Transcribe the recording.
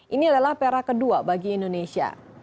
ini adalah perak kedua bagi indonesia